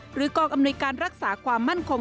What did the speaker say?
กองอำนวยการรักษาความมั่นคง